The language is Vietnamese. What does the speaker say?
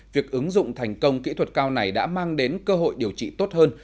việc ứng dụng thành công kỹ thuật cao này đã mang đến cơ hội điều trị tốt hơn